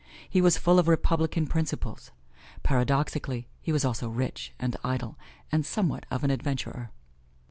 He was full of Republican principles. Paradoxically, he was also rich and idle and somewhat of an adventurer.